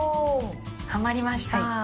はまりました。